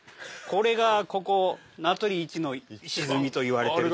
これがここ名取一の石積みといわれてる所です。